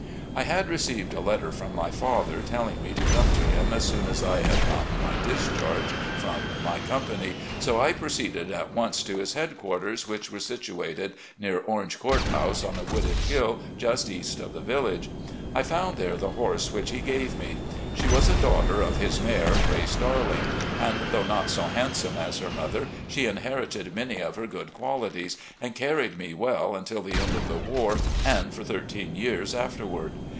I had received a letter from my father telling me to come to him as soon as I had gotten my discharge from my company, so I proceeded at once to his headquarters, which were situated near Orange Court House, on a wooded hill just east of the village. I found there the horse which he gave me. She was a daughter of his mare, "Grace Darling," and, though not so handsome as her mother, she inherited many of her good qualities, and carried me well tmtil the end of the war and for thirteen years afterward.